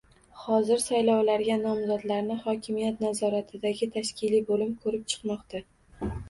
Hozir saylovlarga nomzodlarni hokimiyat nazoratidagi tashkiliy bo‘lim ko‘rib chiqmoqda.